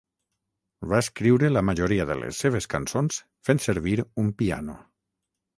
Va escriure la majoria de les seves cançons fent servir un piano.